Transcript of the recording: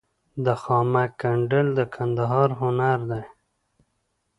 د خامک ګنډل د کندهار هنر دی.